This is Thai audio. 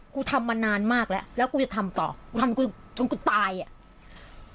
กูทำมานานมากแล้วแล้วกูจะทำต่อกูทำกูจนกูตายอ่ะ